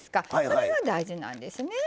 それが大事なんですね。